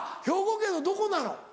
兵庫県のどこなの？